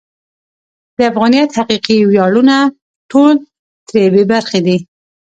د افغانیت حقیقي ویاړونه ټول ترې بې برخې دي.